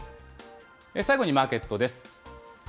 最後にマーケットです。